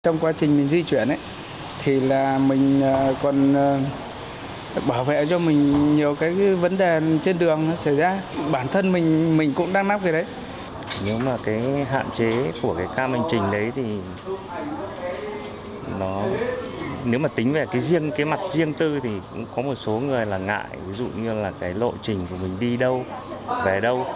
nếu mà tính về cái mặt riêng tư thì có một số người là ngại ví dụ như là cái lộ trình của mình đi đâu về đâu